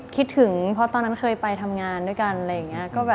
คิดถึงเพราะตอนนั้นเคยไปทำงานด้วยกัน